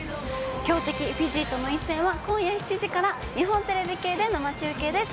強敵、フィジーとの一戦は今夜７時から、日本テレビ系で生中継です。